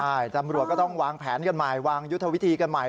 ใช่ตำรวจก็ต้องวางแผนกันใหม่วางยุทธวิธีกันใหม่